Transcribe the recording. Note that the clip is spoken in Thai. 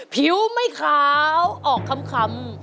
ผิวไม่ขาวออกคำ